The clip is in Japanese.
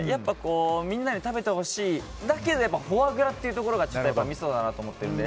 みんなに食べてほしいだけどフォアグラというところがミソだなと思ってるので。